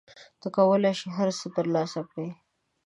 ته کولای شې هر څه ترلاسه کړې.